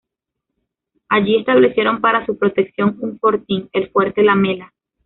Allí establecieron, para su protección, un fortín, el Fuerte La Mela.